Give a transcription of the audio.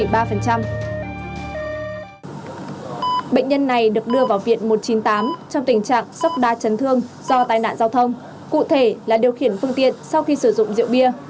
bệnh nhân này được đưa vào viện một trăm chín mươi tám trong tình trạng sốc đa chấn thương do tai nạn giao thông cụ thể là điều khiển phương tiện sau khi sử dụng rượu bia